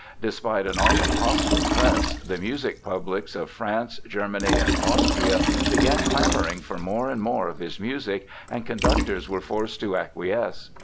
Despite an often hostile press, the music publics of France, Germany, and Austria began clamoring for more and more of his music, and conductors were forced to acquiesce.